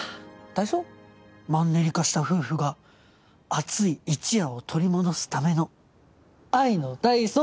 マンネリ化した夫婦が熱い一夜を取り戻す為の愛の体操！